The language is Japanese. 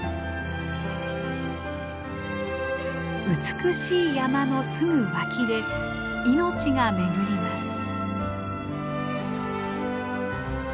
美しい山のすぐ脇で命が巡ります。